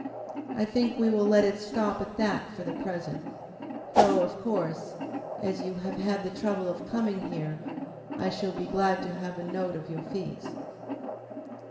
I think we will let it stop at that for the present; though, of course, as you have had the trouble of coming here, I should be glad to have a note of your fees."